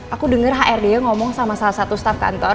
aku denger hrd ngomong sama salah satu staff kantor